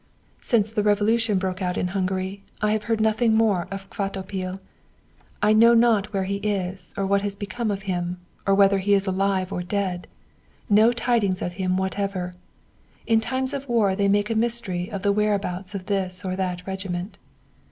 "'Since the revolution broke out in Hungary I have heard nothing more of Kvatopil. I know not where he is, or what has become of him, or whether he is alive or dead: no tidings of him whatever. In times of war they make a mystery of the whereabouts of this or that regiment.